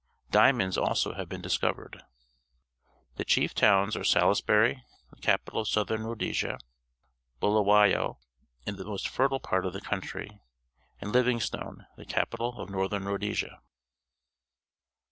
Diamonds also have been discovered. The chief towns are Salisbury, the capital of Southern Rhodesia, Bulaicayo, in the most fertile part of the country, and Living stone, the capital of Northern Rhodesia.